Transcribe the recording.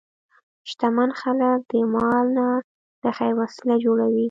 شتمن خلک د مال نه د خیر وسیله جوړوي.